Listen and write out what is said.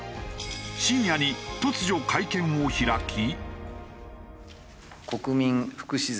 深夜に突如会見を開き。